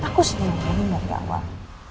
aku sudah ngelakuin dari awal